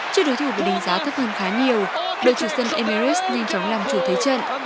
trước đối thủ bị đình giá thấp hầm khá nhiều đội chủ sân emirates nhanh chóng làm chủ thế trận